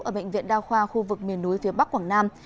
ở bệnh viện đa khoa khu vực miền núi phía bắc quảng nam